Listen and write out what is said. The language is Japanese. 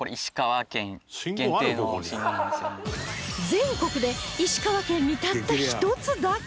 全国で石川県にたった１つだけ！？